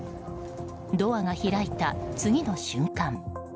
ドアが開いた、次の瞬間。